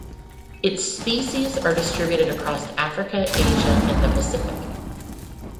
Its species are distributed across Africa, Asia and the Pacific.